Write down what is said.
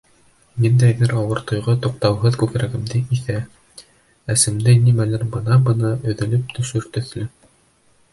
Ниндәйҙер ауыр тойғо туҡтауһыҙ күкрәгемде иҙә, әсемдә нимәлер бына-бына өҙөлөп төшөр төҫлө.